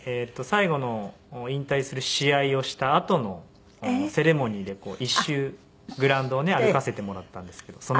最後の引退する試合をしたあとのセレモニーで一周グラウンドをね歩かせてもらったんですけど。